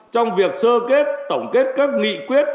trong việc sơ kết tổng kết các nghị quyết